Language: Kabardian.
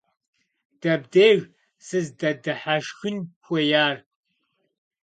Дэбдеж сыздэдыхьэшхын хуеяр?